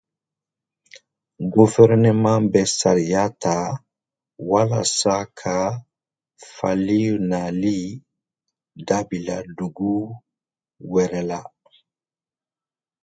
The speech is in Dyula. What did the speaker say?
Gofɛrɛnaman bɛ sariya ta walasa ka faliw nali dabila dugu wɛrɛw la.